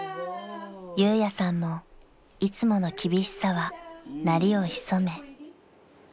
［裕也さんもいつもの厳しさは鳴りを潜め］